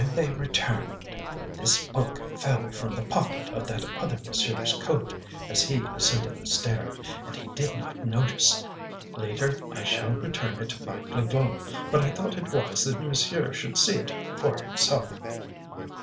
"When they returned, this book fell from the pocket of that other monsieur's coat as he ascended the stair, and he did not notice. Later I shall return it by Glouglou, but I thought it wise that monsieur should see it for himself."